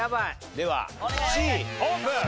ではＣオープン。